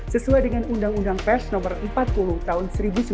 sesuai dengan undang undang pers no empat puluh tahun seribu sembilan ratus sembilan puluh